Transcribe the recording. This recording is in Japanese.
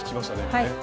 はい。